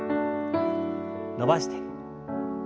伸ばして。